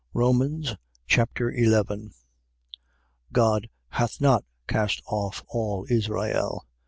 Romans Chapter 11 God hath not cast off all Israel.